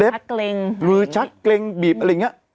คือชักเกรงบีบอะไรอย่างเงี้ย